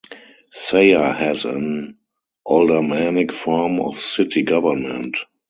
Sayer has an aldermanic form of city government.